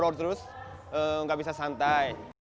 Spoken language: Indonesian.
waktu itu tidak cukup tidak bisa santai